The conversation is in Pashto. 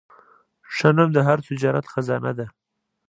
ښه نوم د هر تجارت خزانه ده.